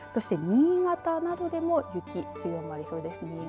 そして新潟などでも雪強まりそうです。